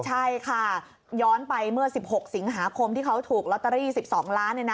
ใช่ค่ะย้อนไปเมื่อ๑๖สิงหาคมที่เขาถูกลอตเตอรี่๑๒ล้าน